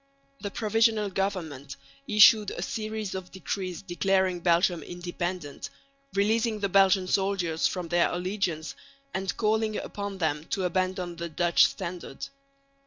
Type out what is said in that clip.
The Provisional Government issued a series of decrees declaring Belgium independent, releasing the Belgian soldiers from their allegiance, and calling upon them to abandon the Dutch standard.